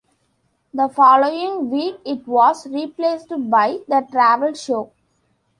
The following week it was replaced by The Travel Show.